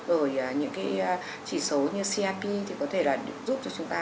rồi những cái chỉ số như crp thì có thể là giúp cho chúng ta